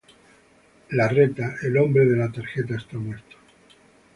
La reta, el hombre de la tarjeta está muerto.